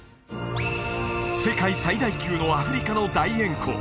世界最大級のアフリカの大塩湖